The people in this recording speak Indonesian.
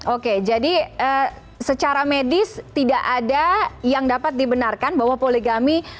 oke jadi secara medis tidak ada yang dapat dibenarkan bahwa poligami